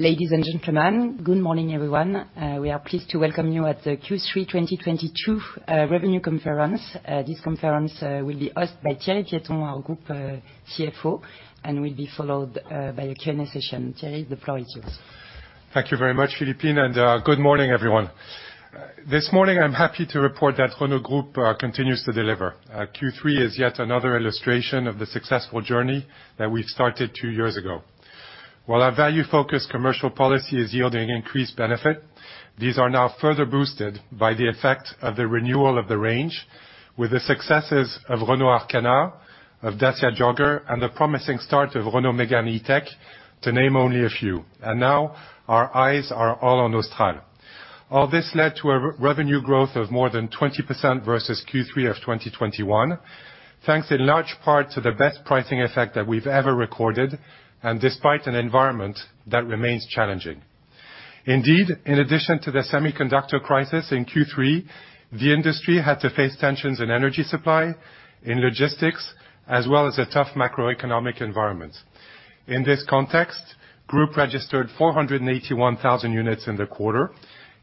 Ladies and gentlemen, good morning, everyone. We are pleased to welcome you at the Q3 2022 Revenue Conference. This conference will be hosted by Thierry Piéton, our Group CFO, and will be followed by a Q&A session. Thierry, the floor is yours. Thank you very much, Philippine, and good morning, everyone. This morning, I'm happy to report that Renault Group continues to deliver. Q3 is yet another illustration of the successful journey that we've started two years ago. While our value-focused commercial policy is yielding increased benefit, these are now further boosted by the effect of the renewal of the range, with the successes of Renault Arkana, of Dacia Jogger, and the promising start of Renault Mégane E-Tech, to name only a few. Now our eyes are all on Austral. All this led to a revenue growth of more than 20% versus Q3 of 2021, thanks in large part to the best pricing effect that we've ever recorded, and despite an environment that remains challenging. Indeed, in addition to the semiconductor crisis in Q3, the industry had to face tensions in energy supply, in logistics, as well as a tough macroeconomic environment. In this context, Group registered 481,000 units in the quarter.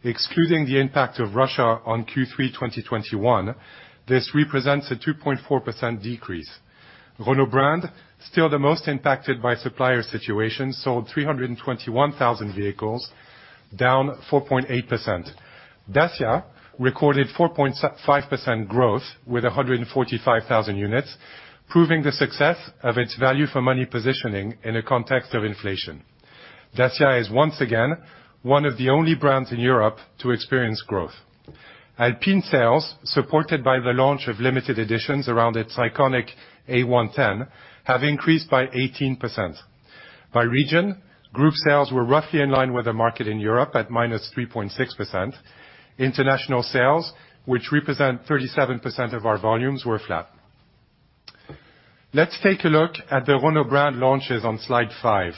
Excluding the impact of Russia on Q3 2021, this represents a 2.4% decrease. Renault Brand, still the most impacted by supplier situations, sold 321,000 vehicles, down 4.8%. Dacia recorded 4.5% growth with 145,000 units, proving the success of its value for money positioning in a context of inflation. Dacia is once again one of the only brands in Europe to experience growth. Alpine sales, supported by the launch of limited editions around its iconic A110, have increased by 18%. By region, Group sales were roughly in line with the market in Europe at -3.6%. International sales, which represent 37% of our volumes, were flat. Let's take a look at the Renault Brand launches on slide five.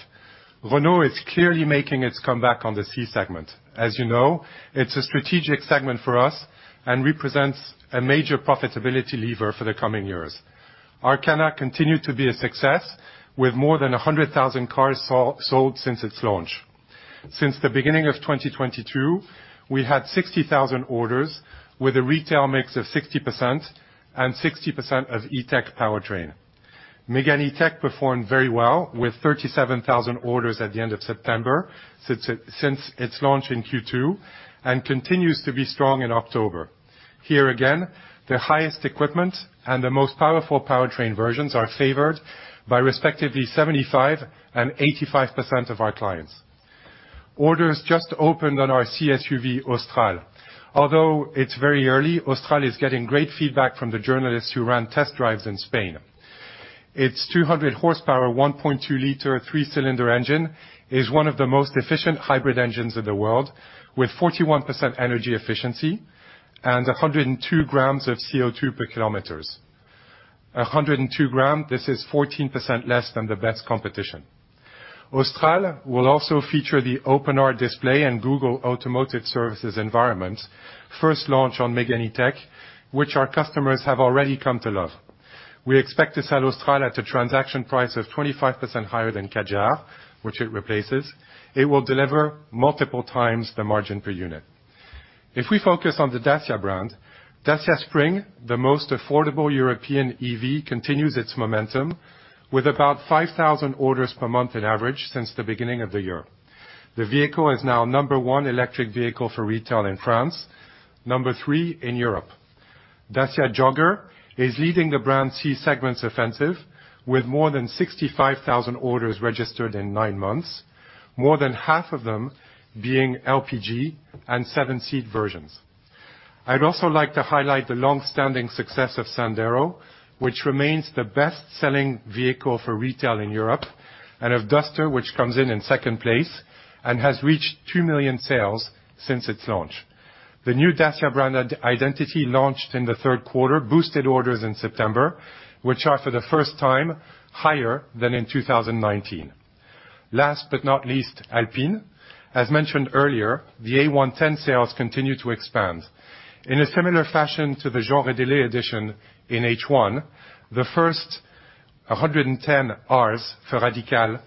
Renault is clearly making its comeback on the C-segment. As you know, it's a strategic segment for us and represents a major profitability lever for the coming years. Arkana continued to be a success with more than 100,000 cars sold since its launch. Since the beginning of 2022, we had 60,000 orders with a retail mix of 60% and 60% of E-Tech powertrain. Mégane E-Tech performed very well with 37,000 orders at the end of September, since its launch in Q2, and continues to be strong in October. Here again, the highest equipment and the most powerful powertrain versions are favored by respectively 75% and 85% of our clients. Orders just opened on our C-SUV Austral. Although it's very early, Austral is getting great feedback from the journalists who ran test drives in Spain. Its 200 horsepower, 1.2 L, three-cylinder engine is one of the most efficient hybrid engines in the world, with 41% energy efficiency and 102 g of CO2 per kilometer. 102 g, this is 14% less than the best competition. Austral will also feature the OpenR display and Google Automotive Services environments, first launched on Mégane E-Tech, which our customers have already come to love. We expect to sell Austral at a transaction price of 25% higher than Kadjar, which it replaces. It will deliver multiple times the margin per unit. If we focus on the Dacia brand, Dacia Spring, the most affordable European EV, continues its momentum with about 5,000 orders per month on average since the beginning of the year. The vehicle is now number one electric vehicle for retail in France, number three in Europe. Dacia Jogger is leading the brand's C-segment offensive with more than 65,000 orders registered in nine months, more than half of them being LPG and seven-seat versions. I'd also like to highlight the long-standing success of Sandero, which remains the best-selling vehicle for retail in Europe, and of Duster, which comes in second place and has reached 2 million sales since its launch. The new Dacia brand new identity launched in the third quarter boosted orders in September, which are for the first time higher than in 2019. Last but not least, Alpine. As mentioned earlier, the A110 sales continue to expand. In a similar fashion to the Jean Rédélé edition in H1, the first A110 R's for Radical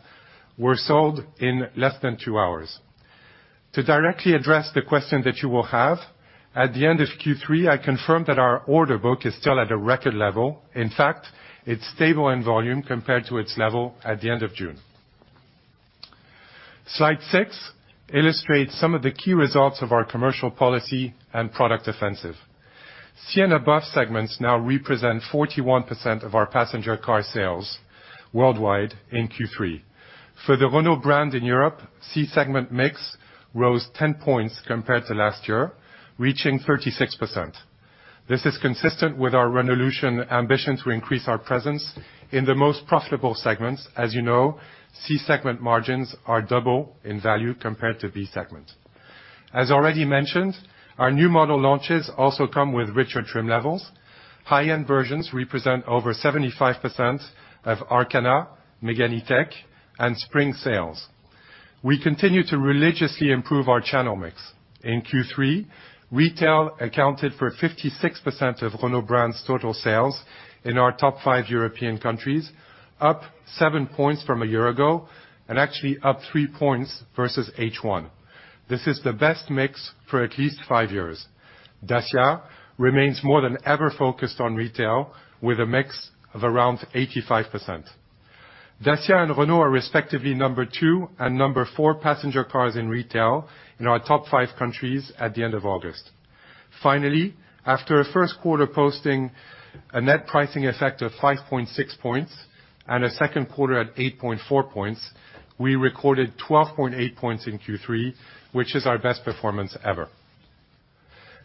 were sold in less than two hours. To directly address the question that you will have, at the end of Q3, I confirm that our order book is still at a record level. In fact, it's stable in volume compared to its level at the end of June. Slide six illustrates some of the key results of our commercial policy and product offensive. C and above segments now represent 41% of our passenger car sales worldwide in Q3. For the Renault brand in Europe, C-segment mix rose 10 points compared to last year, reaching 36%. This is consistent with our Renaulution ambition to increase our presence in the most profitable segments. As you know, C-segment margins are double in value compared to B-segment. As already mentioned, our new model launches also come with richer trim levels. High-end versions represent over 75% of Arkana, Mégane E-Tech, and Spring sales. We continue to religiously improve our channel mix. In Q3, retail accounted for 56% of Renault Brand's total sales in our top five European countries, up seven points from a year ago, and actually up three points versus H1. This is the best mix for at least five years. Dacia remains more than ever focused on retail, with a mix of around 85%. Dacia and Renault are respectively number two and number four passenger cars in retail in our top five countries at the end of August. Finally, after a first quarter posting a net pricing effect of 5.6 points and a second quarter at 8.4 points, we recorded 12.8 points in Q3, which is our best performance ever.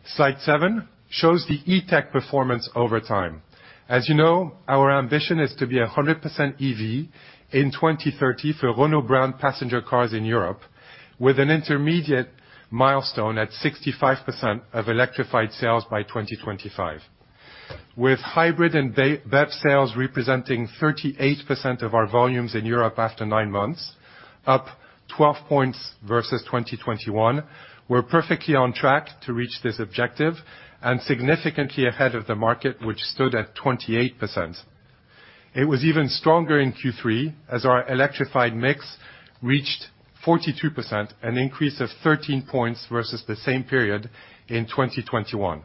Slide seven shows the E-Tech performance over time. As you know, our ambition is to be 100% EV in 2030 for Renault Brand passenger cars in Europe, with an intermediate milestone at 65% of electrified sales by 2025. With hybrid and BEV sales representing 38% of our volumes in Europe after nine months, up 12 points versus 2021, we're perfectly on track to reach this objective and significantly ahead of the market, which stood at 28%. It was even stronger in Q3 as our electrified mix reached 42%, an increase of 13 points versus the same period in 2021.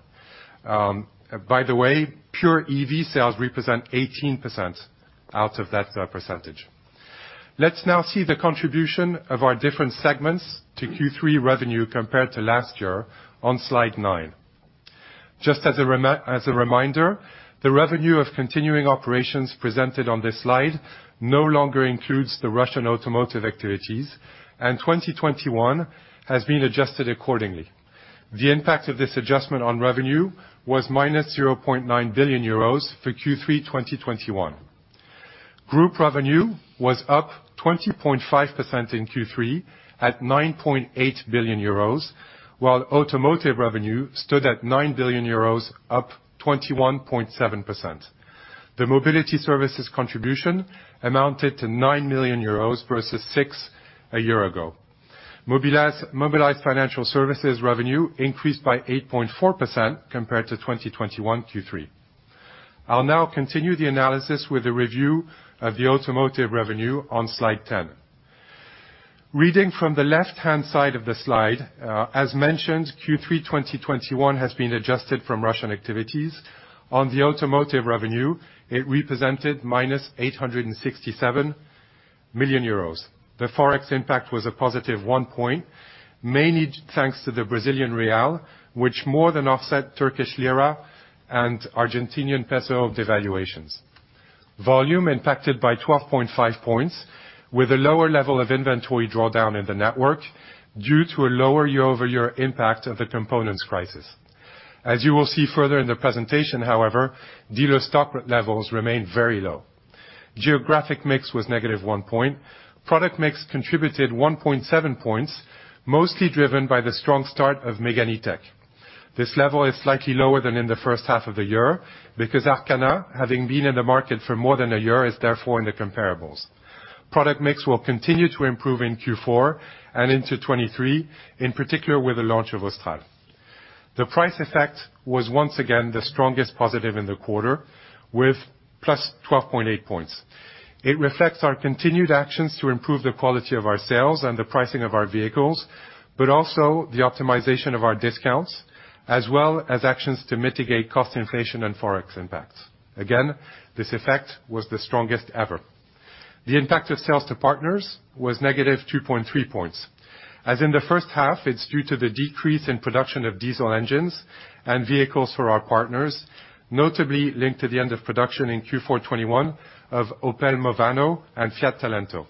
By the way, pure EV sales represent 18% out of that percentage. Let's now see the contribution of our different segments to Q3 revenue compared to last year on slide nine. Just as a reminder, the revenue of continuing operations presented on this slide no longer includes the Russian automotive activities, and 2021 has been adjusted accordingly. The impact of this adjustment on revenue was -0.9 billion euros for Q3 2021. Group revenue was up 20.5% in Q3 at 9.8 billion euros, while automotive revenue stood at 9 billion euros, up 21.7%. The mobility services contribution amounted to 9 million euros versus 6 million a year ago. Mobilize Financial Services revenue increased by 8.4% compared to 2021 Q3. I'll now continue the analysis with a review of the automotive revenue on slide 10. Reading from the left-hand side of the slide, as mentioned, Q3 2021 has been adjusted from Russian activities. On the automotive revenue, it represented -867 million euros. The Forex impact was a positive one point, mainly thanks to the Brazilian real, which more than offset Turkish lira and Argentinian peso devaluations. Volume impacted by 12.5 points with a lower level of inventory drawdown in the network due to a lower year-over-year impact of the components crisis. As you will see further in the presentation, however, dealer stock levels remain very low. Geographic mix was negative one point. Product mix contributed 1.7 points, mostly driven by the strong start of Mégane E-Tech. This level is slightly lower than in the first half of the year because Arkana, having been in the market for more than a year, is therefore in the comparables. Product mix will continue to improve in Q4 and into 2023, in particular with the launch of Austral. The price effect was once again the strongest positive in the quarter with +12.8 points. It reflects our continued actions to improve the quality of our sales and the pricing of our vehicles, but also the optimization of our discounts, as well as actions to mitigate cost inflation and Forex impacts. Again, this effect was the strongest ever. The impact of sales to partners was -2.3 points. As in the first half, it's due to the decrease in production of diesel engines and vehicles for our partners, notably linked to the end of production in Q4 2021 of Opel Movano and Fiat Talento.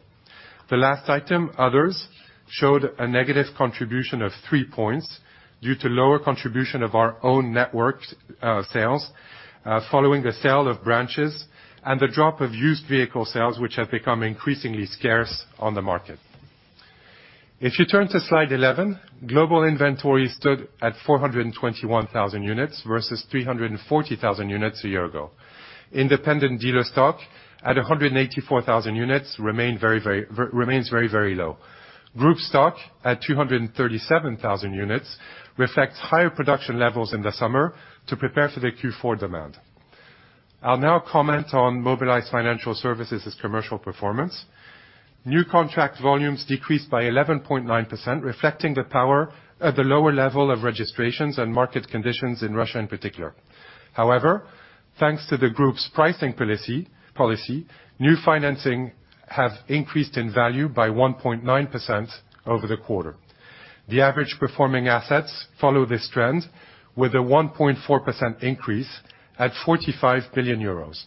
The last item, others, showed a negative contribution of three points due to lower contribution of our own network, sales, following the sale of branches and the drop of used vehicle sales, which have become increasingly scarce on the market. If you turn to slide 11, global inventory stood at 421,000 units versus 340,000 units a year ago. Independent dealer stock at 184,000 units remains very, very low. Group stock at 237,000 units reflects higher production levels in the summer to prepare for the Q4 demand. I'll now comment on Mobilize Financial Services' commercial performance. New contract volumes decreased by 11.9%, reflecting the power of the lower level of registrations and market conditions in Russia in particular. However, thanks to the group's pricing policy, new financing have increased in value by 1.9% over the quarter. The average performing assets follow this trend with a 1.4% increase at 45 billion euros.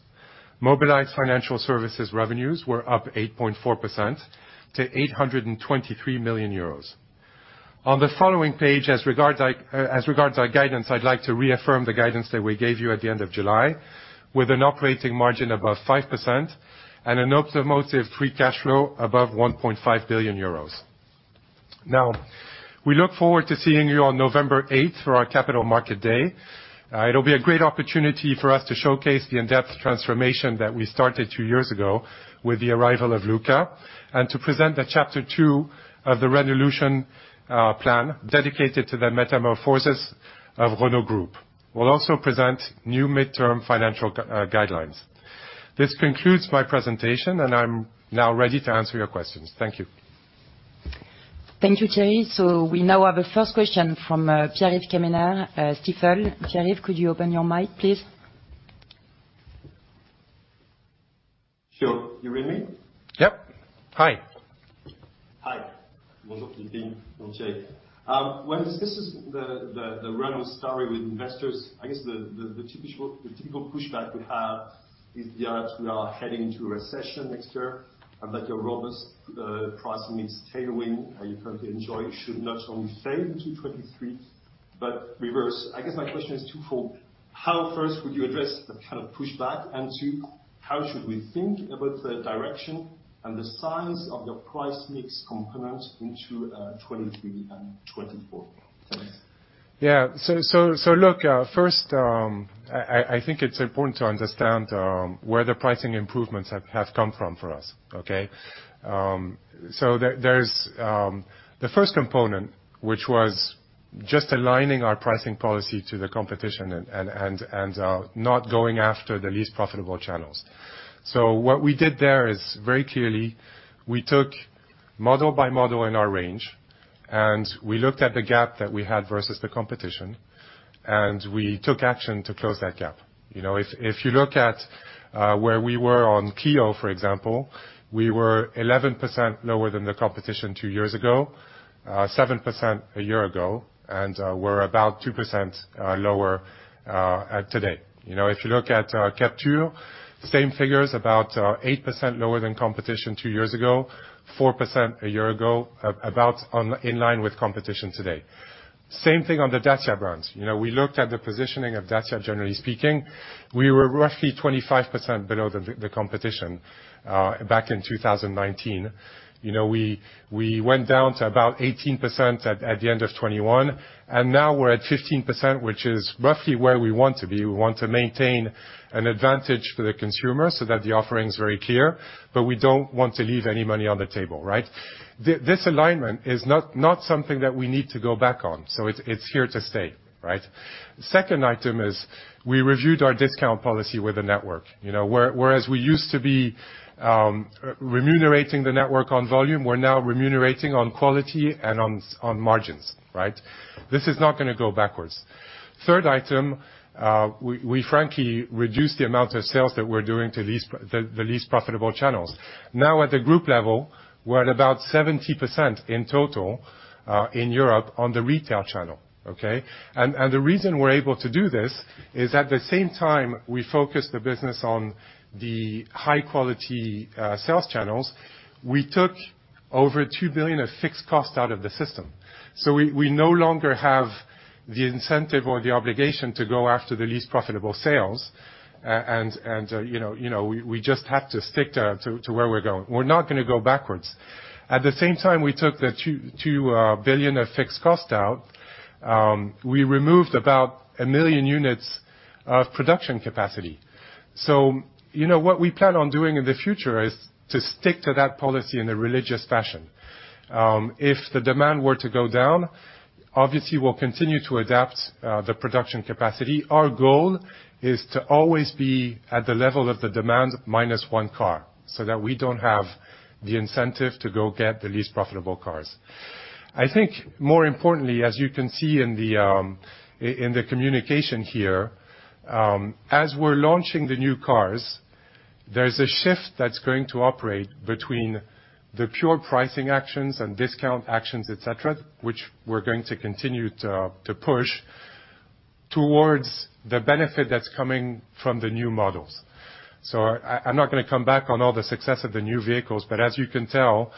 Mobilize Financial Services revenues were up 8.4% to 823 million euros. On the following page, as regards our guidance, I'd like to reaffirm the guidance that we gave you at the end of July, with an operating margin above 5% and an automotive free cash flow above 1.5 billion euros. Now, we look forward to seeing you on November 8 for our Capital Market Day. It'll be a great opportunity for us to showcase the in-depth transformation that we started two years ago with the arrival of Luca, and to present the chapter two of the Renaulution plan dedicated to the Metamorphosis of Renault Group. We'll also present new midterm financial guidelines. This concludes my presentation, and I'm now ready to answer your questions. Thank you. Thank you, Thierry. We now have a first question from Pierre Quéméner, Stifel. Pierre, could you open your mic, please? Sure. You hear me? Yep. Hi. Hi. Bonjour, Philippine. When this is the Renault story with investors, I guess the typical pushback we have is the odds we are heading to a recession next year, and that your robust pricing tailwind you currently enjoy should not only fade into 2023, but reverse. I guess my question is twofold. First, how would you address the kind of pushback, and second, how should we think about the direction and the size of the price mix components into 2023 and 2024? Thanks. I think it's important to understand where the pricing improvements have come from for us, okay? There's the first component, which was just aligning our pricing policy to the competition and not going after the least profitable channels. What we did there is very clearly, we took model by model in our range, and we looked at the gap that we had versus the competition, and we took action to close that gap. You know, if you look at where we were on Clio, for example, we were 11% lower than the competition two years ago, 7% a year ago, and we're about 2% lower today. You know, if you look at Captur, same figures about 8% lower than competition two years ago, 4% a year ago, in line with competition today. Same thing on the Dacia brands. You know, we looked at the positioning of Dacia, generally speaking. We were roughly 25% below the competition back in 2019. You know, we went down to about 18% at the end of 2021, and now we're at 15%, which is roughly where we want to be. We want to maintain an advantage for the consumer so that the offering is very clear, but we don't want to leave any money on the table, right? This alignment is not something that we need to go back on, so it's here to stay, right? Second item is we reviewed our discount policy with the network. You know, whereas we used to be remunerating the network on volume, we're now remunerating on quality and on margins, right? This is not gonna go backwards. Third item, we frankly reduced the amount of sales that we're doing to the least profitable channels. Now, at the group level, we're at about 70% in total in Europe on the retail channel, okay? The reason we're able to do this is at the same time we focus the business on the high quality sales channels, we took over 2 billion of fixed cost out of the system. We no longer have the incentive or the obligation to go after the least profitable sales, and you know, we just have to stick to where we're going. We're not gonna go backwards. At the same time we took the 2 billion of fixed costs out, we removed about 1 million units of production capacity. You know, what we plan on doing in the future is to stick to that policy in a religious fashion. If the demand were to go down, obviously, we'll continue to adapt the production capacity. Our goal is to always be at the level of the demand minus one car, so that we don't have the incentive to go get the least profitable cars. I think more importantly, as you can see in the communication here, as we're launching the new cars, there's a shift that's going to operate between the pure pricing actions and discount actions, et cetera, which we're going to continue to push towards the benefit that's coming from the new models. I'm not gonna come back on all the success of the new vehicles, but as you can tell,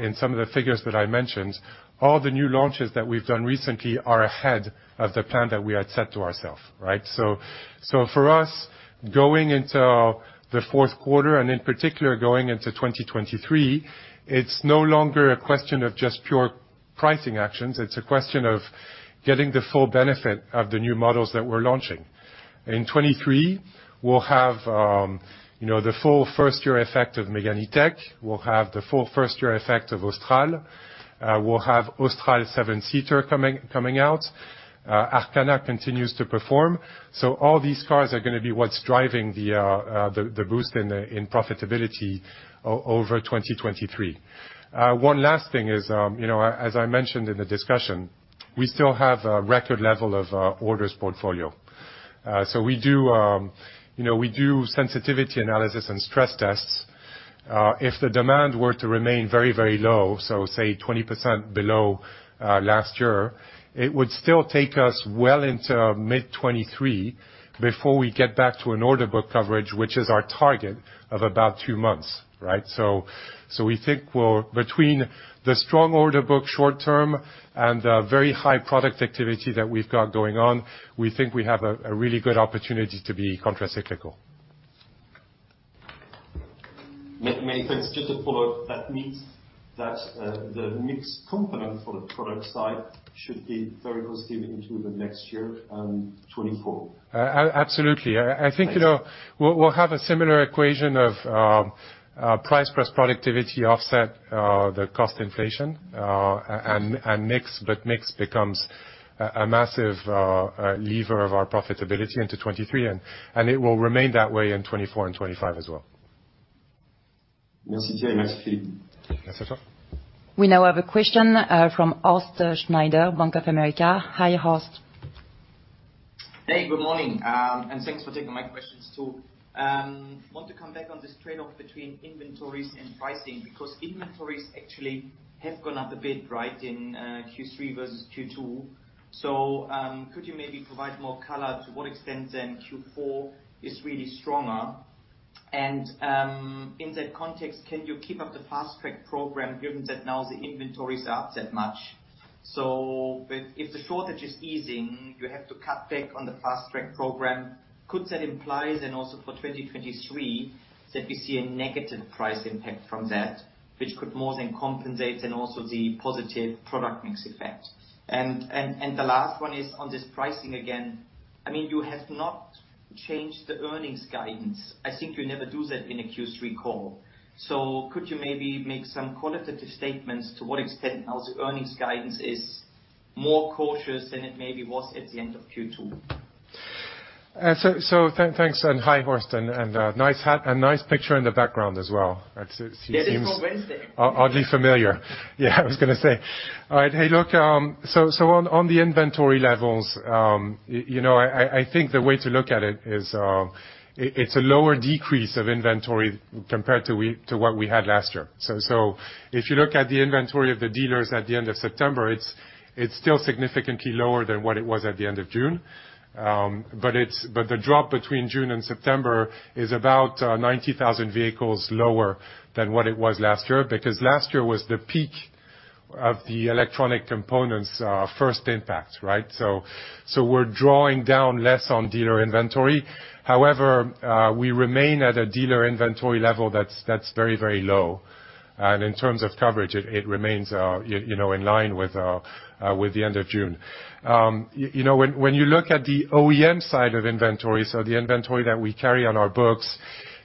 in some of the figures that I mentioned, all the new launches that we've done recently are ahead of the plan that we had set to ourself, right? For us, going into the fourth quarter, and in particular going into 2023, it's no longer a question of just pure pricing actions, it's a question of getting the full benefit of the new models that we're launching. In 2023, we'll have the full first year effect of Mégane E-Tech, we'll have the full first year effect of Austral, we'll have Austral seven-seater coming out. Arkana continues to perform. All these cars are gonna be what's driving the boost in profitability over 2023. One last thing is, as I mentioned in the discussion, we still have a record level of orders portfolio. We do sensitivity analysis and stress tests. If the demand were to remain very low, say 20% below last year, it would still take us well into mid-2023 before we get back to an order book coverage, which is our target of about two months, right? We think, well, between the strong order book short-term and the very high product activity that we've got going on, we think we have a really good opportunity to be counter-cyclical. Many thanks. Just to follow, that means that the mix component for the product side should be very positive into the next year, 2024. Absolutely. I think, you know, we'll have a similar equation of price plus productivity offset the cost inflation, and mix, but mix becomes a massive lever of our profitability into 2023, and it will remain that way in 2024 and 2025 as well. We now have a question from Horst Schneider, Bank of America. Hi, Horst. Hey, good morning. Thanks for taking my questions, too. Want to come back on this trade-off between inventories and pricing because inventories actually have gone up a bit, right, in Q3 versus Q2. Could you maybe provide more color to what extent, then, Q4 is really stronger? In that context, can you keep up the fast-track program given that now the inventories are up that much? If the shortage is easing, you have to cut back on the fast-track program. Could that implies then also for 2023 that we see a negative price impact from that, which could more than compensate, and also the positive product mix effect? And the last one is on this pricing again. I mean, you have not changed the earnings guidance. I think you never do that in a Q3 call. Could you maybe make some qualitative statements to what extent now the earnings guidance is more cautious than it maybe was at the end of Q2? Thanks. Hi, Horst. Nice hat and nice picture in the background as well. That seems. That is for Wednesday. Oh, oddly familiar. Yeah, I was gonna say. All right. Hey, look, on the inventory levels, you know, I think the way to look at it is, it's a lower decrease of inventory compared to what we had last year. If you look at the inventory of the dealers at the end of September, it's still significantly lower than what it was at the end of June. But the drop between June and September is about 90,000 vehicles lower than what it was last year. Because last year was the peak of the electronic components' first impact, right? We're drawing down less on dealer inventory. However, we remain at a dealer inventory level that's very low. In terms of coverage, it remains, you know, in line with the end of June. You know, when you look at the OEM side of inventory, so the inventory that we carry on our books,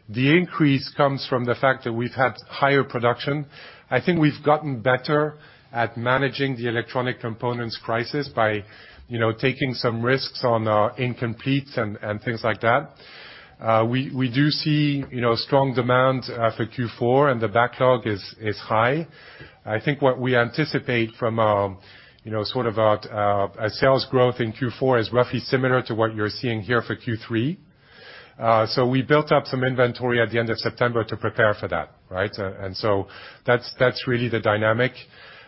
the increase comes from the fact that we've had higher production. I think we've gotten better at managing the electronic components crisis by, you know, taking some risks on incompletes and things like that. We do see, you know, strong demand for Q4, and the backlog is high. I think what we anticipate from, you know, sort of our sales growth in Q4 is roughly similar to what you're seeing here for Q3. We built up some inventory at the end of September to prepare for that, right? That's really the dynamic.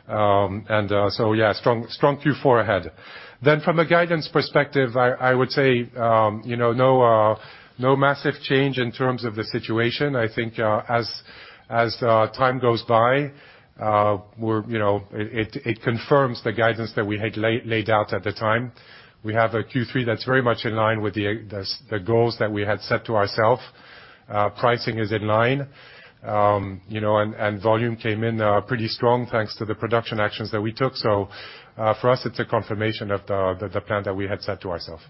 Yeah, strong Q4 ahead. From a guidance perspective, I would say, you know, no massive change in terms of the situation. I think, as time goes by, you know. It confirms the guidance that we had laid out at the time. We have a Q3 that's very much in line with the goals that we had set to ourselves. Pricing is in line. You know, and volume came in pretty strong, thanks to the production actions that we took. For us, it's a confirmation of the plan that we had set to ourselves.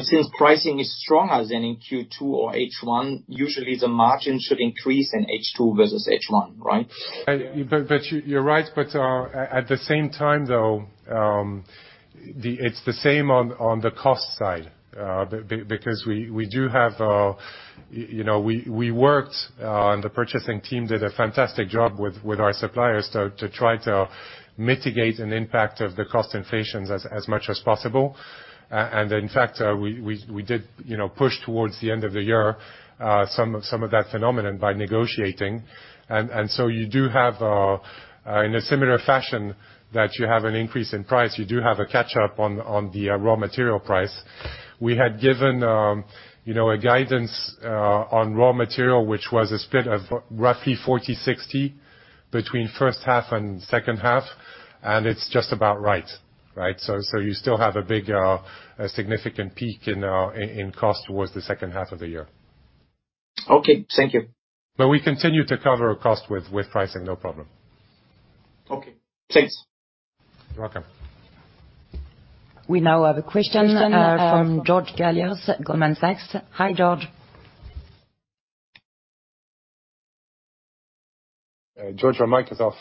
Since pricing is stronger than in Q2 or H1, usually the margin should increase in H2 versus H1, right? You're right, at the same time, though, it's the same on the cost side. Because we do have, you know, we worked, and the purchasing team did a fantastic job with our suppliers to try to mitigate an impact of the cost inflation as much as possible. In fact, we did, you know, push towards the end of the year some of that phenomenon by negotiating. You do have, in a similar fashion that you have an increase in price, you do have a catch-up on the raw material price. We had given, you know, a guidance on raw material, which was a split of roughly 40/60 between first half and second half, and it's just about right? You still have a big, a significant peak in cost towards the second half of the year. Okay. Thank you. We continue to cover our cost with pricing, no problem. Okay. Thanks. You're welcome. We now have a question, from George Galliers, Goldman Sachs. Hi, George. George, your mic is off.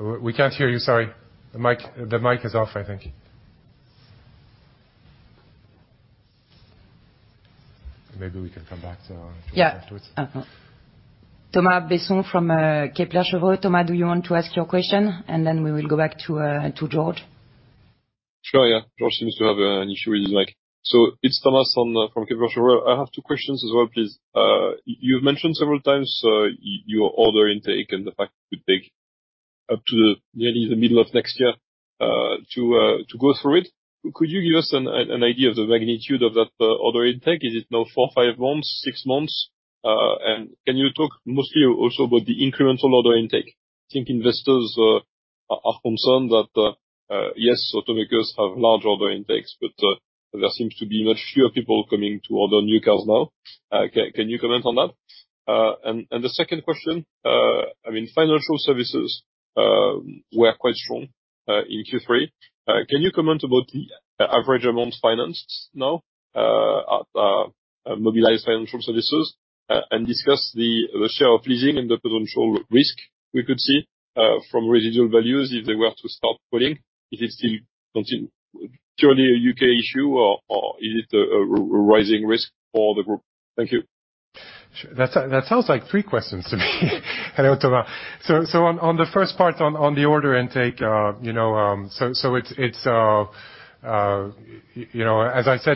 We can't hear you. Sorry. The mic is off, I think. Maybe we can come back to George afterwards. Yeah. Thomas Besson from Kepler Cheuvreux. Thomas, do you want to ask your question? We will go back to George. Sure, yeah. George seems to have an issue with his mic. It's Thomas from Kepler Cheuvreux. I have two questions as well, please. You've mentioned several times your order intake and the fact it could take up to the, maybe the middle of next year, to go through it. Could you give us an idea of the magnitude of that order intake? Is it now four, five months, six months? And can you talk mostly also about the incremental order intake? I think investors are concerned that, yes, automakers have large order intakes, but there seems to be much fewer people coming to order new cars now. Can you comment on that? The second question, I mean, financial services were quite strong in Q3. Can you comment about the average amount financed now at Mobilize Financial Services, and discuss the share of leasing and the potential risk we could see from residual values if they were to start pulling? Is it still purely a U.K. issue or is it a rising risk for the group? Thank you. Sure. That sounds like three questions to me. Hello, Thomas. On the first part on the order intake, you know, it's stable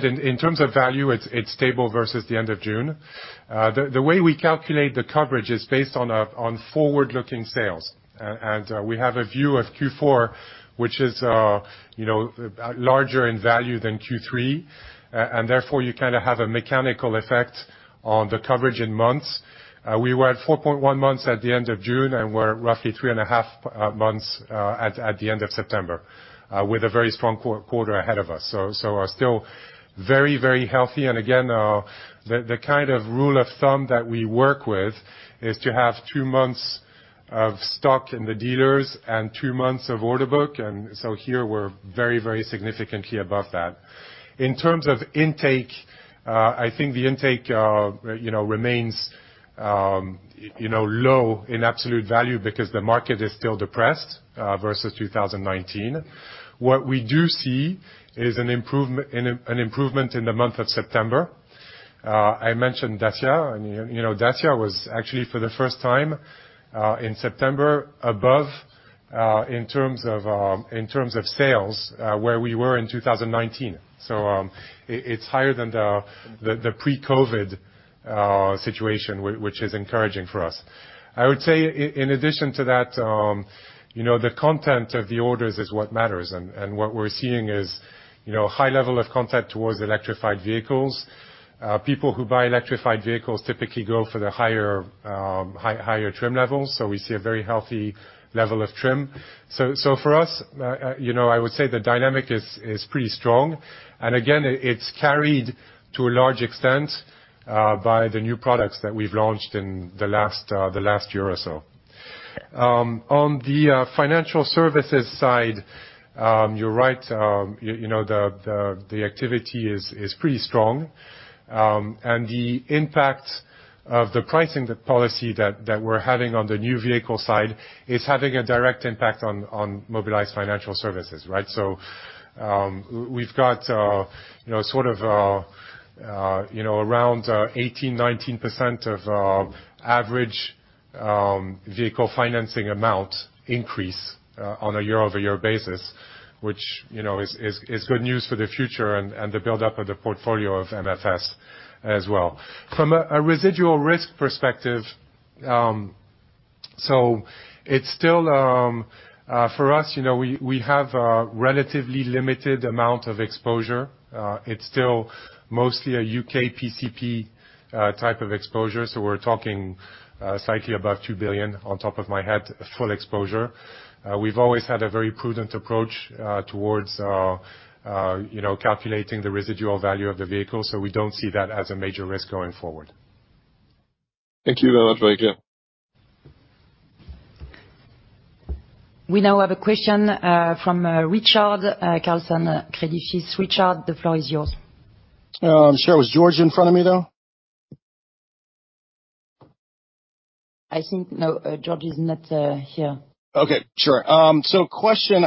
in terms of value versus the end of June. The way we calculate the coverage is based on forward-looking sales. And we have a view of Q4, which is larger in value than Q3, and therefore you kinda have a mechanical effect on the coverage in months. We were at 4.1 months at the end of June, and we're roughly 3.5 months at the end of September, with a very strong quarter ahead of us. We are still very healthy. The kind of rule of thumb that we work with is to have two months of stock in the dealers and two months of order book. Here we're very, very significantly above that. In terms of intake, I think the intake, you know, remains, you know, low in absolute value because the market is still depressed, versus 2019. What we do see is an improvement in the month of September. I mentioned Dacia. Dacia was actually for the first time, in September above, in terms of sales, where we were in 2019. It's higher than the pre-COVID situation, which is encouraging for us. I would say in addition to that, you know, the content of the orders is what matters. What we're seeing is, you know, a high level of content towards electrified vehicles. People who buy electrified vehicles typically go for the higher trim levels, so we see a very healthy level of trim. For us, you know, I would say the dynamic is pretty strong. Again, it's carried to a large extent by the new products that we've launched in the last year or so. On the financial services side, you're right. You know, the activity is pretty strong. The impact of the pricing policy that we're having on the new vehicle side is having a direct impact on Mobilize Financial Services, right? We've got, you know, sort of, you know, around 18%-19% of average vehicle financing amount increase on a year-over-year basis, which, you know, is good news for the future and the buildup of the portfolio of MFS as well. From a residual risk perspective, it's still for us, you know, we have a relatively limited amount of exposure. It's still mostly a U.K. PCP type of exposure, so we're talking slightly above 2 billion off the top of my head, full exposure. We've always had a very prudent approach towards you know, calculating the residual value of the vehicle, so we don't see that as a major risk going forward. Thank you very much, Thierry. We now have a question from Richard Carlson, Credit Suisse. Richard, the floor is yours. Sure. Was George in front of me, though? I think no. George is not here. Okay, sure. Question.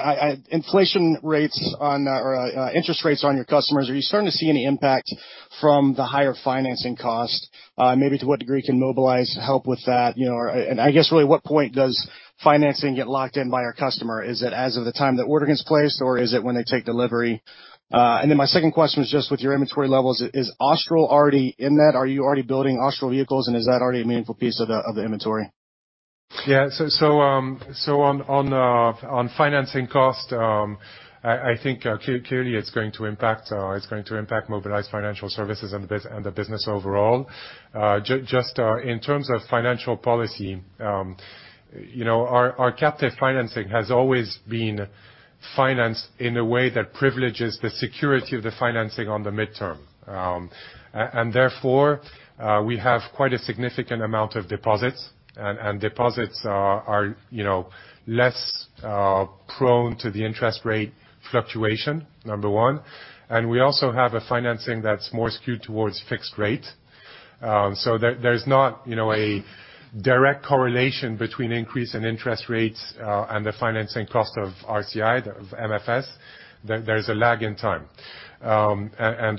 Interest rates on your customers, are you starting to see any impact from the higher financing cost? Maybe to what degree can Mobilize help with that, you know? I guess really, at what point does financing get locked in by our customer? Is it as of the time the order gets placed, or is it when they take delivery? My second question is just with your inventory levels, is Austral already in that? Are you already building Austral vehicles, and is that already a meaningful piece of the inventory? On financing cost, I think clearly it's going to impact Mobilize Financial Services and the business overall. Just in terms of financial policy, you know, our captive financing has always been financed in a way that privileges the security of the financing on the midterm. Therefore, we have quite a significant amount of deposits, and deposits are, you know, less prone to the interest rate fluctuation, number one. We also have a financing that's more skewed towards fixed rate. There's not, you know, a direct correlation between increase in interest rates and the financing cost of RCI, of MFS. There's a lag in time.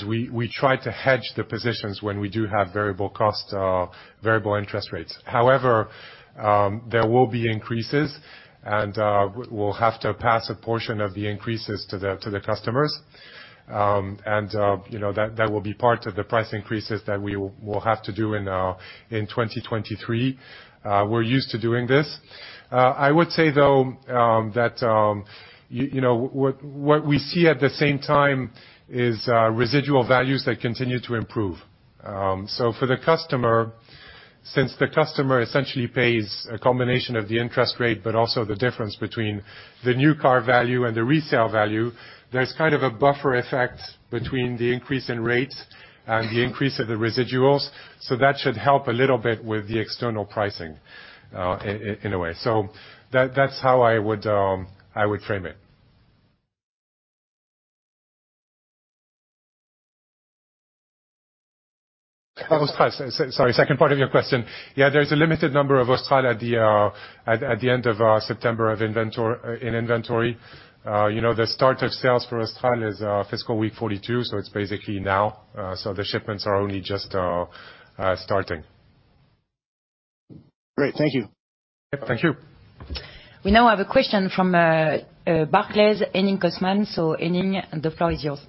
We try to hedge the positions when we do have variable costs, variable interest rates. However, there will be increases, and we'll have to pass a portion of the increases to the customers. You know, that will be part of the price increases that we'll have to do in 2023. We're used to doing this. I would say, though, that you know what we see at the same time is residual values that continue to improve. For the customer, since the customer essentially pays a combination of the interest rate, but also the difference between the new car value and the resale value, there's kind of a buffer effect between the increase in rate and the increase of the residuals. That should help a little bit with the external pricing, in a way. That's how I would frame it. On Austral. Sorry, second part of your question. Yeah, there's a limited number of Austral at the end of September in inventory. You know, the start of sales for Austral is fiscal week 42, so it's basically now. The shipments are only just starting. Great. Thank you. Thank you. We now have a question from Barclays, Henning Cosman. Henning, the floor is yours.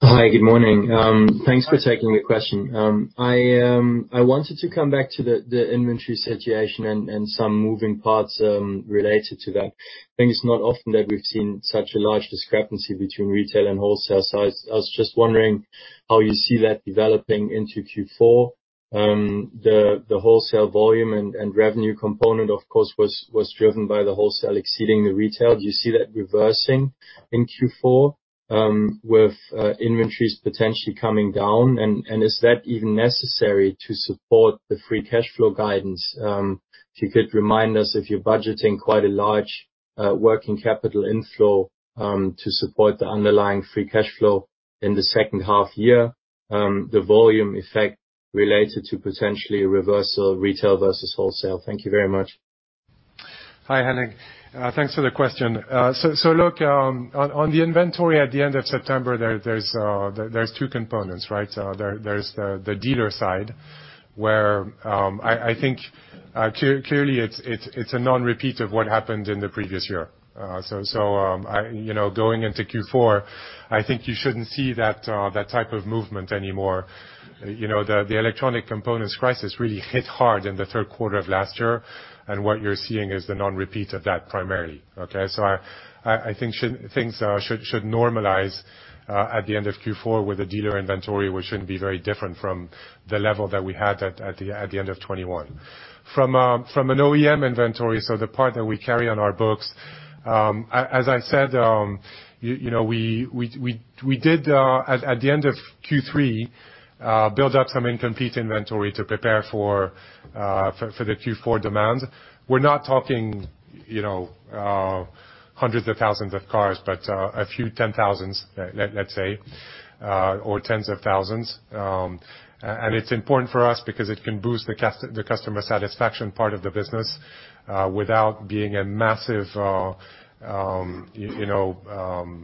Hi, good morning. Thanks for taking the question. I wanted to come back to the inventory situation and some moving parts related to that. I think it's not often that we've seen such a large discrepancy between retail and wholesale. I was just wondering how you see that developing into Q4. The wholesale volume and revenue component, of course, was driven by the wholesale exceeding the retail. Do you see that reversing in Q4, with inventories potentially coming down? Is that even necessary to support the free cash flow guidance? If you could remind us if you're budgeting quite a large working capital inflow to support the underlying free cash flow in the second half year, the volume effect related to potentially a reversal retail versus wholesale. Thank you very much. Hi, Henning. Thanks for the question. Look, on the inventory at the end of September, there's two components, right? There's the dealer side, where I think clearly, it's a non-repeat of what happened in the previous year. I, you know, going into Q4, I think you shouldn't see that type of movement anymore. You know, the electronic components crisis really hit hard in the third quarter of last year, and what you're seeing is the non-repeat of that primarily, okay? I think things should normalize at the end of Q4 with the dealer inventory, which shouldn't be very different from the level that we had at the end of 2021. From an OEM inventory, so the part that we carry on our books, as I said, you know, we did at the end of Q3 build out some incomplete inventory to prepare for the Q4 demand. We're not talking, you know, hundreds of thousands of cars, but a few ten thousands, let's say, or tens of thousands. And it's important for us because it can boost the customer satisfaction part of the business without being a massive, you know,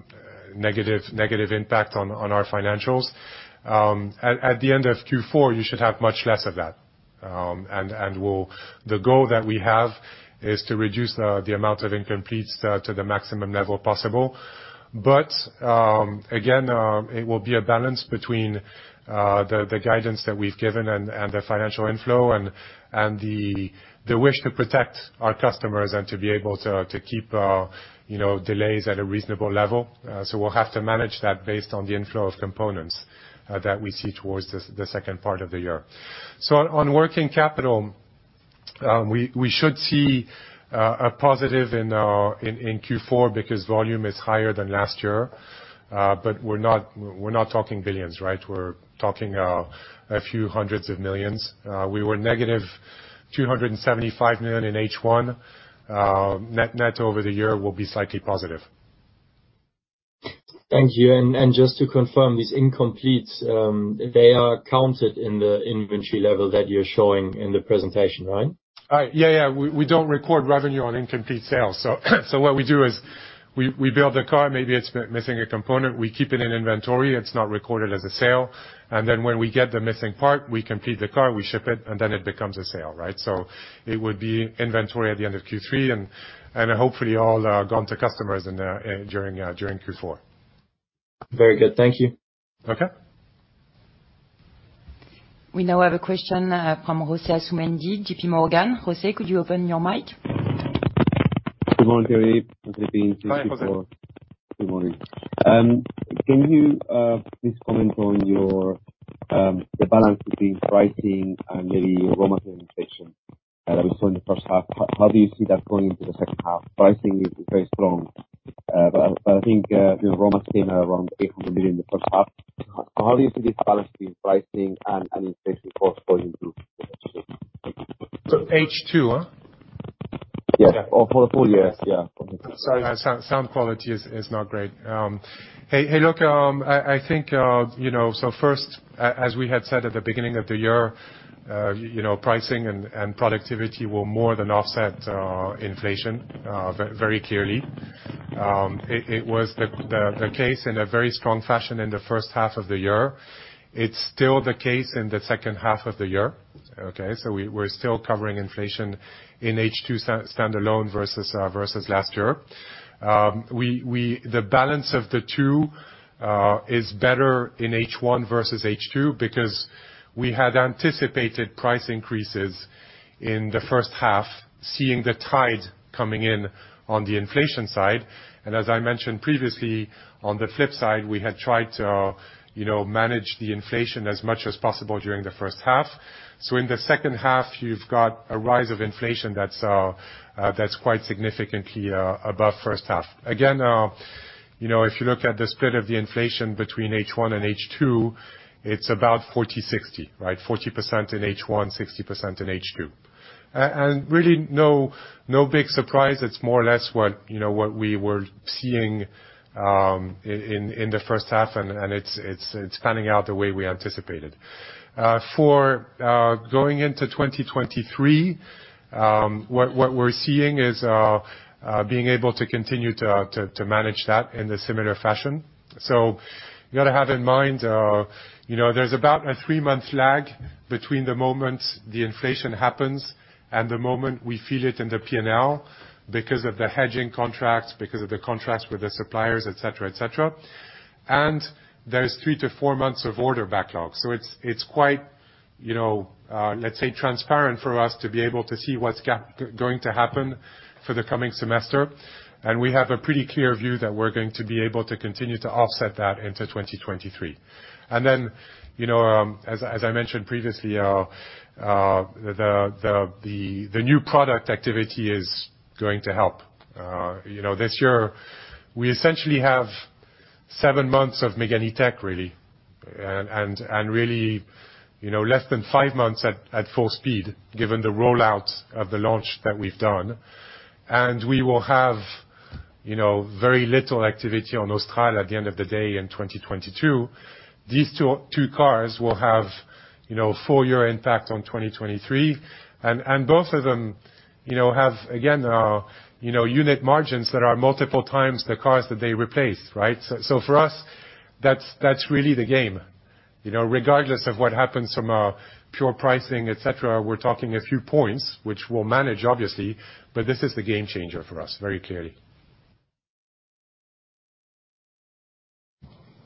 negative impact on our financials. At the end of Q4, you should have much less of that. The goal that we have is to reduce the amount of incompletes to the maximum level possible. Again, it will be a balance between the guidance that we've given and the financial inflow and the wish to protect our customers and to be able to keep you know delays at a reasonable level. We'll have to manage that based on the inflow of components that we see towards the second part of the year. On working capital, we should see a positive in Q4 because volume is higher than last year. But we're not talking billions, right? We're talking a few hundreds of millions. We were negative 275 million in H1. Net over the year will be slightly positive. Thank you. Just to confirm, these incompletes, they are counted in the inventory level that you're showing in the presentation, right? We don't record revenue on incomplete sales. What we do is we build a car, maybe it's missing a component. We keep it in inventory. It's not recorded as a sale. Then when we get the missing part, we complete the car, we ship it, and it becomes a sale, right? It would be inventory at the end of Q3 and hopefully all gone to customers during Q4. Very good. Thank you. Okay. We now have a question from José Asumendi, JPMorgan. José, could you open your mic? Good morning, Thierry. Hi, José. Good morning. Can you please comment on the balance between pricing and maybe raw material inflation that we saw in the first half? How do you see that going into the second half? Pricing is very strong. I think, you know, raw materials came around 800 million in the first half. How do you see this balance between pricing and inflation costs going into H2? H2, huh? Yeah. For the full year. Yeah. Sorry. Sound quality is not great. First, as we had said at the beginning of the year, pricing and productivity will more than offset inflation very clearly. It was the case in a very strong fashion in the first half of the year. It's still the case in the second half of the year, okay. We're still covering inflation in H2 standalone versus last year. The balance of the two is better in H1 versus H2 because we had anticipated price increases in the first half, seeing the tide coming in on the inflation side. As I mentioned previously, on the flip side, we had tried to, you know, manage the inflation as much as possible during the first half. In the second half, you've got a rise of inflation that's quite significantly above first half. Again, you know, if you look at the split of the inflation between H1 and H2, it's about 40, 60, right? 40% in H1, 60% in H2. Really, no big surprise. It's more or less what you know, what we were seeing in the first half, and it's panning out the way we anticipated. For going into 2023, what we're seeing is being able to continue to manage that in a similar fashion. You gotta have in mind, you know, there's about a three-month lag between the moment the inflation happens and the moment we feel it in the P&L because of the hedging contracts, because of the contracts with the suppliers, et cetera, et cetera. There's three-four months of order backlog. It's quite, you know, let's say, transparent for us to be able to see what's going to happen for the coming semester. We have a pretty clear view that we're going to be able to continue to offset that into 2023. You know, as I mentioned previously, the new product activity is going to help. You know, this year we essentially have seven months of Mégane E-Tech, really, and really, you know, less than five months at full speed, given the rollout of the launch that we've done. We will have, you know, very little activity on Austral at the end of the day in 2022. These two cars will have, you know, full year impact on 2023. Both of them, you know, have, again, you know, unit margins that are multiple times the cars that they replace, right? So for us, that's really the game. You know, regardless of what happens from a pure pricing, et cetera, we're talking a few points, which we'll manage, obviously, but this is the game changer for us, very clearly.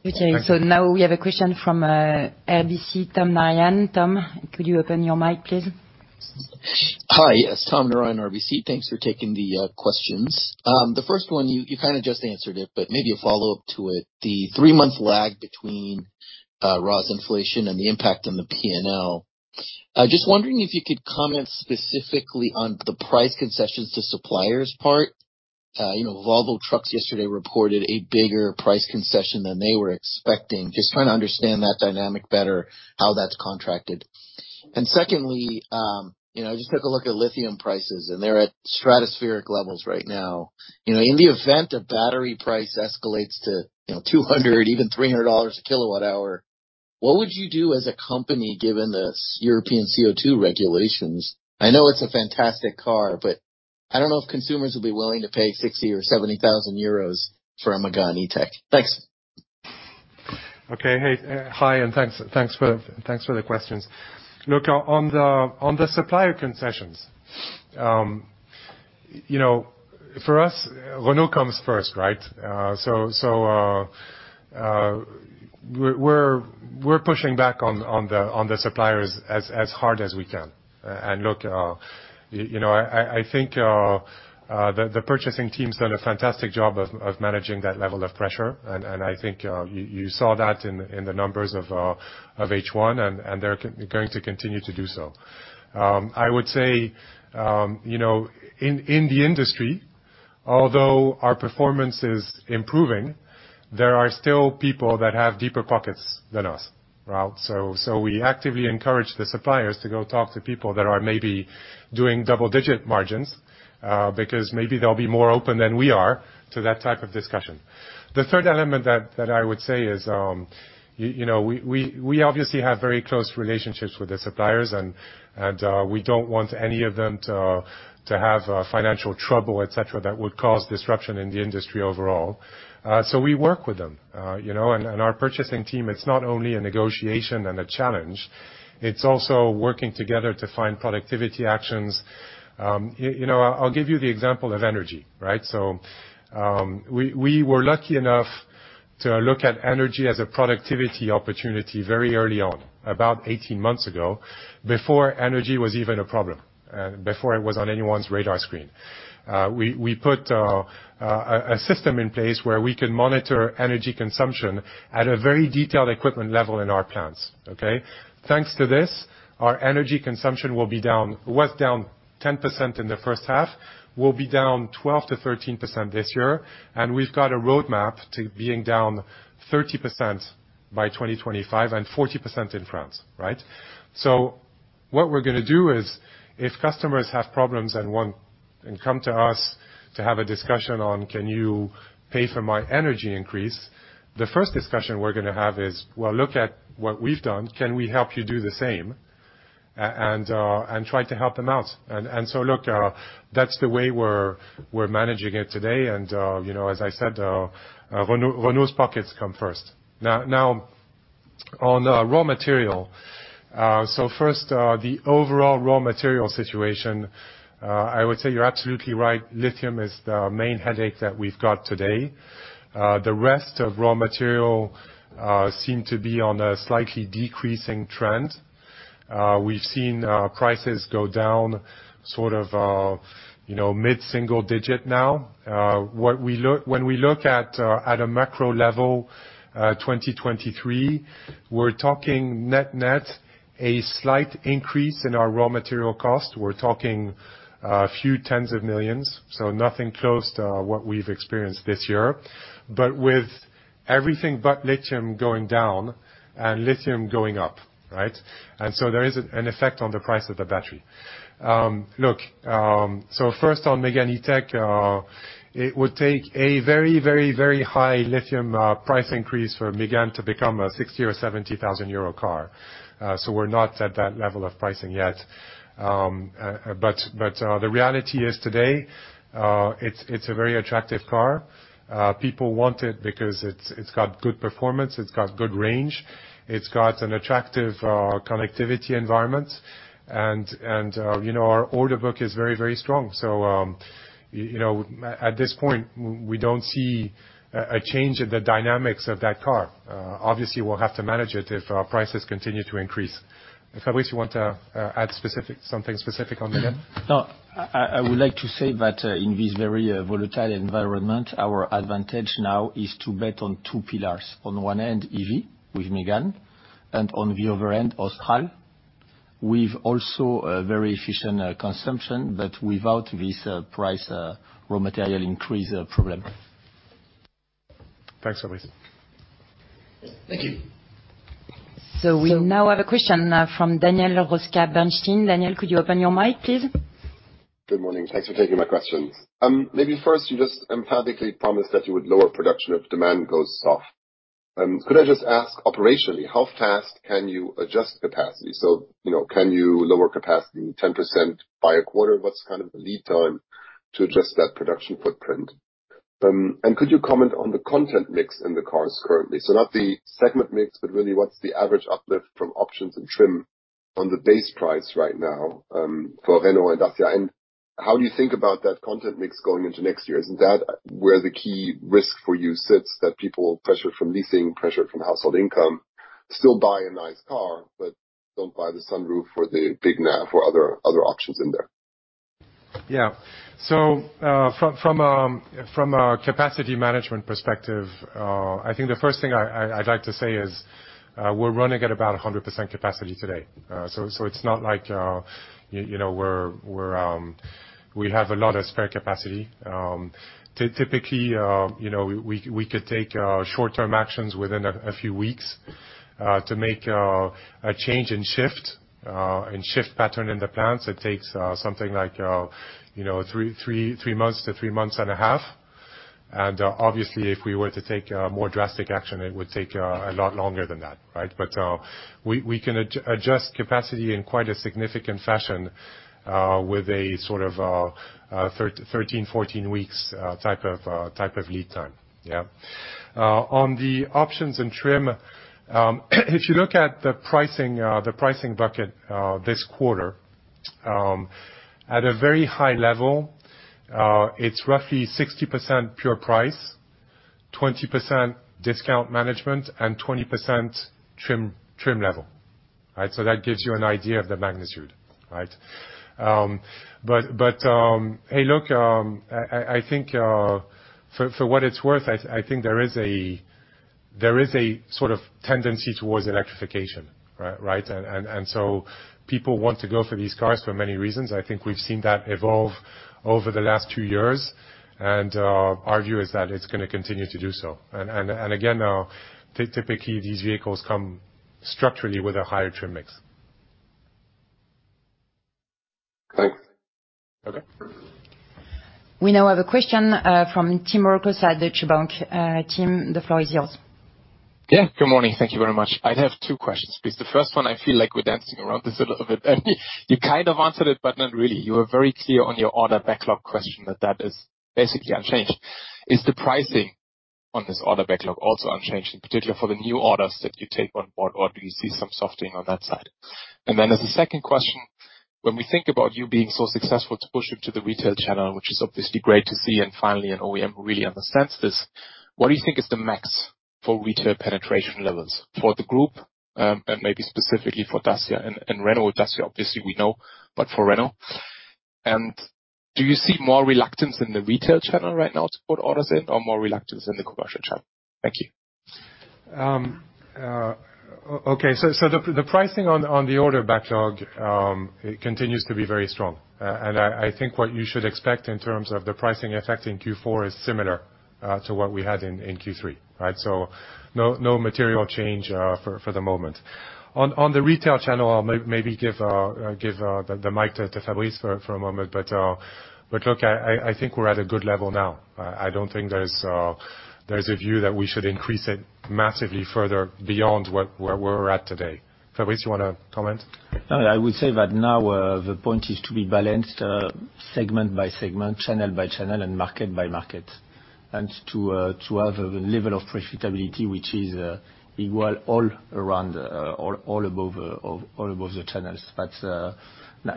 Okay. Now we have a question from RBC, Tom Narayan. Tom, could you open your mic, please? Hi. Yes, Tom Narayan, RBC. Thanks for taking the questions. The first one, you kinda just answered it, but maybe a follow-up to it. The three-month lag between raw inflation and the impact on the P&L. Just wondering if you could comment specifically on the price concessions to suppliers part. You know, Volvo Trucks yesterday reported a bigger price concession than they were expecting. Just trying to understand that dynamic better, how that's contracted. Secondly, you know, I just took a look at lithium prices, and they're at stratospheric levels right now. You know, in the event a battery price escalates to, you know, $200, even $300 a kilowatt hour, what would you do as a company, given the European CO2 regulations? I know it's a fantastic car, but I don't know if consumers will be willing to pay 60,000 or 70,000 euros for a Mégane E-Tech. Thanks. Okay. Hey, hi, and thanks for the questions. Look, on the supplier concessions, you know, for us, Renault comes first, right? We're pushing back on the suppliers as hard as we can. Look, you know, I think the purchasing team's done a fantastic job of managing that level of pressure, and I think you saw that in the numbers of H1, and they're going to continue to do so. I would say, you know, in the industry, although our performance is improving, there are still people that have deeper pockets than us, right? We actively encourage the suppliers to go talk to people that are maybe doing double-digit margins, because maybe they'll be more open than we are to that type of discussion. The third element that I would say is, you know, we obviously have very close relationships with the suppliers and, we don't want any of them to have financial trouble, et cetera, that would cause disruption in the industry overall. We work with them, you know. Our purchasing team, it's not only a negotiation and a challenge, it's also working together to find productivity actions. You know, I'll give you the example of energy, right. We were lucky enough to look at energy as a productivity opportunity very early on, about 18 months ago, before energy was even a problem, before it was on anyone's radar screen. We put a system in place where we can monitor energy consumption at a very detailed equipment level in our plants, okay? Thanks to this, our energy consumption will be down, was down 10% in the first half, will be down 12%-13% this year, and we've got a roadmap to being down 30% by 2025, and 40% in France, right? What we're gonna do is, if customers have problems and want, and come to us to have a discussion on, "Can you pay for my energy increase?" The first discussion we're gonna have is, "Well, look at what we've done. Can we help you do the same? Try to help them out. Look, that's the way we're managing it today. You know, as I said, Renault's pockets come first. Now, on raw material. First, the overall raw material situation, I would say you're absolutely right, lithium is the main headache that we've got today. The rest of raw material seem to be on a slightly decreasing trend. We've seen prices go down sort of, you know, mid-single digit now. When we look at a macro level, 2023, we're talking net-net, a slight increase in our raw material cost. We're talking a few tens of millions, so nothing close to what we've experienced this year. With everything but lithium going down and lithium going up, right? There is an effect on the price of the battery. First on Mégane E-Tech, it would take a very high lithium price increase for Mégane to become a 60,000 or 70,000 euro car. We're not at that level of pricing yet. The reality is today, it's a very attractive car. People want it because it's got good performance, it's got good range, it's got an attractive connectivity environment, and you know, our order book is very strong. You know, at this point, we don't see a change in the dynamics of that car. Obviously, we'll have to manage it if our prices continue to increase. Fabrice, you want to add something specific on Mégane? No. I would like to say that, in this very volatile environment, our advantage now is to bet on two pillars. On the one end, EV with Mégane, and on the other end, Austral. We've also a very efficient consumption, but without this price raw material increase problem. Thanks, Fabrice. Thank you. We now have a question from Daniel Roeska, Bernstein. Daniel, could you open your mic, please? Good morning. Thanks for taking my questions. Maybe first, you just emphatically promised that you would lower production if demand goes soft. Could I just ask operationally, how fast can you adjust capacity? So, you know, can you lower capacity 10% by a quarter? What's kind of the lead time to adjust that production footprint? And could you comment on the content mix in the cars currently? So not the segment mix, but really what's the average uplift from options and trim on the base price right now, for Renault and Dacia? And how do you think about that content mix going into next year? Isn't that where the key risk for you sits, that people pressured from leasing, pressured from household income, still buy a nice car, but don't buy the sunroof or the big nav or other options in there? From a capacity management perspective, I think the first thing I'd like to say is, we're running at about 100% capacity today. It's not like, you know, we have a lot of spare capacity. Typically, you know, we could take short-term actions within a few weeks to make a change in shift pattern in the plants. It takes something like, you know, three months to three months and a half. Obviously, if we were to take more drastic action, it would take a lot longer than that, right? We can adjust capacity in quite a significant fashion, with a sort of 13, 14 weeks type of lead time. Yeah. On the options and trim, if you look at the pricing, the pricing bucket, this quarter, at a very high level, it's roughly 60% pure price, 20% discount management, and 20% trim level. Right? That gives you an idea of the magnitude. Right? But, hey, look, I think, for what it's worth, I think there is a sort of tendency towards electrification, right? And people want to go for these cars for many reasons. I think we've seen that evolve over the last two years. Our view is that it's gonna continue to do so. Again, typically these vehicles come structurally with a higher trim mix. Thanks. Okay. We now have a question from Tim Rokossa at Deutsche Bank. Tim, the floor is yours. Yeah, good morning. Thank you very much. I'd have two questions, please. The first one, I feel like we're dancing around this a little bit, and you kind of answered it, but not really. You were very clear on your order backlog question, that that is basically unchanged. Is the pricing on this order backlog also unchanged, in particular for the new orders that you take on board? Or do you see some softening on that side? And then as a second question, when we think about you being so successful to push into the retail channel, which is obviously great to see, and finally an OEM who really understands this, what do you think is the max for retail penetration levels for the group, and maybe specifically for Dacia? And Renault Dacia, obviously we know, but for Renault. Do you see more reluctance in the retail channel right now to put orders in or more reluctance in the commercial channel? Thank you. Okay. The pricing on the order backlog it continues to be very strong. I think what you should expect in terms of the pricing effect in Q4 is similar to what we had in Q3. Right? No material change for the moment. On the retail channel, I'll maybe give the mic to Fabrice for a moment. Look, I think we're at a good level now. I don't think there's a view that we should increase it massively further beyond where we're at today. Fabrice, you wanna comment? No, I would say that now the point is to be balanced segment by segment, channel by channel, and market by market, and to have a level of profitability which is equal all around all above the channels.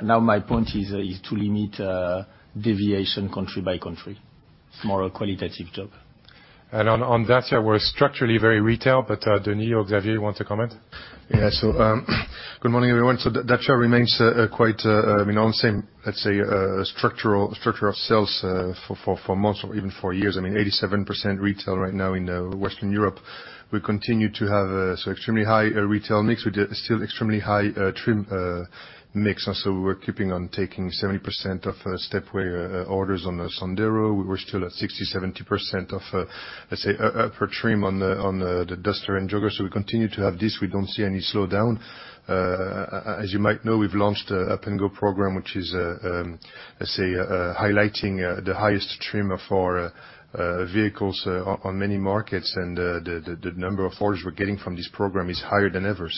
Now my point is to limit deviation country by country. It's more a qualitative job. On Dacia, we're structurally very retail, but Denis or Xavier, you want to comment? Good morning, everyone. Dacia remains quite you know the same, let's say, structural structure of sales for months or even for years. I mean, 87% retail right now in Western Europe. We continue to have so extremely high retail mix. We still extremely high trim mix, and we're keeping on taking 70% of Stepway orders on the Sandero. We're still at 60%-70% of let's say upper trim on the Duster and Jogger. We continue to have this. We don't see any slowdown. As you might know, we've launched an Up & Go program, which is let's say highlighting the highest trim of our vehicles on many markets. The number of orders we're getting from this program is higher than ever.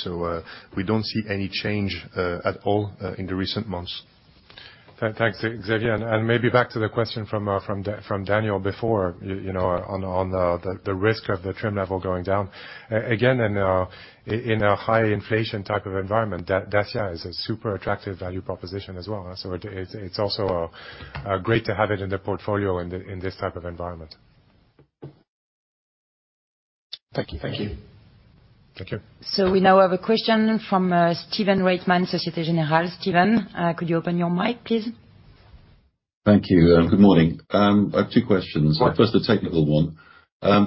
We don't see any change at all in the recent months. Thanks, Xavier. Maybe back to the question from Daniel before, you know, on the risk of the trim level going down. Again, in a high inflation type of environment, Dacia is a super attractive value proposition as well. It's also great to have it in the portfolio in this type of environment. Thank you. Thank you. Thank you. We now have a question from Stephen Reitman, Société Générale. Stephen, could you open your mic, please? Thank you, and good morning. I have two questions. Go ahead. First, the technical one.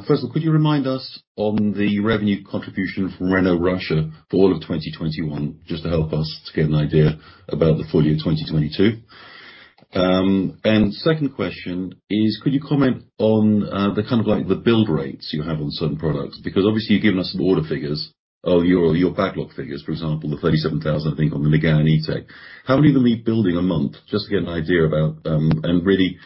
First, could you remind us on the revenue contribution from Renault Russia for all of 2021, just to help us to get an idea about the full year 2022. Second question is, could you comment on the kind of like the build rates you have on certain products? Because obviously, you've given us some order figures of your backlog figures, for example, the 37,000, I think, on the Mégane E-Tech. How many will be building a month? Just to get an idea about, and really,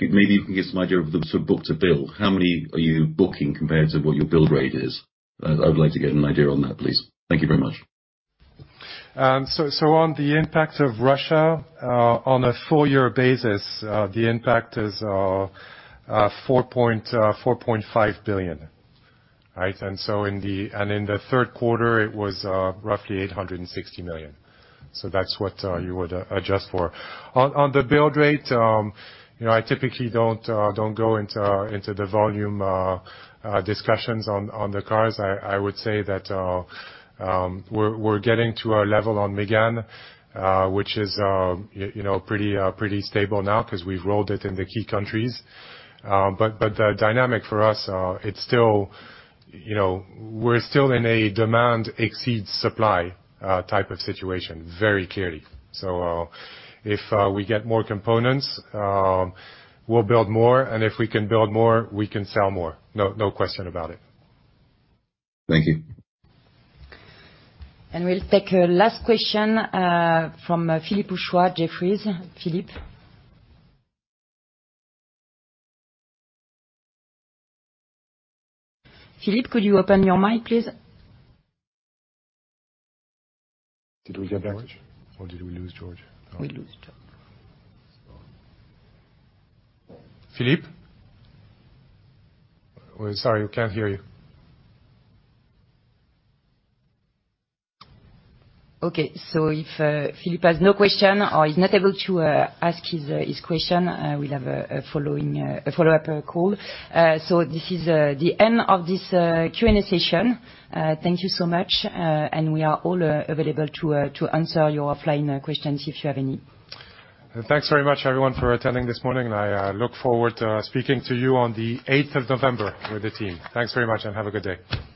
maybe you can give us an idea of the sort of book to build. How many are you booking compared to what your build rate is? I would like to get an idea on that, please. Thank you very much. On the impact of Russia, on a full year basis, the impact is 4.5 billion, right? In the third quarter, it was roughly 860 million. That's what you would adjust for. On the build rate, you know, I typically don't go into the volume discussions on the cars. I would say that we're getting to a level on Mégane, which is, you know, pretty stable now 'cause we've rolled it in the key countries. The dynamic for us, it's still, you know, we're still in a demand exceeds supply type of situation, very clearly. If we get more components, we'll build more, and if we can build more, we can sell more. No question about it. Thank you. We'll take a last question from Philippe Houchois, Jefferies. Philippe? Philippe, could you open your mic, please? Did we get back George, or did we lose George? We lost George. Philippe? We're sorry, we can't hear you. Okay, if Philippe has no question or he's not able to ask his question, we'll have a follow-up call. This is the end of this Q&A session. Thank you so much, and we are all available to answer your offline questions, if you have any. Thanks very much, everyone, for attending this morning, and I look forward to speaking to you on the eighth of November with the team. Thanks very much, and have a good day.